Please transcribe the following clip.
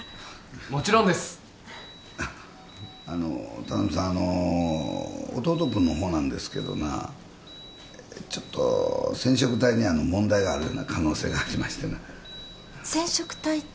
もちろんです田辺さんあの弟君の方なんですけどなちょっと染色体に問題がある可能性がありましてな染色体って？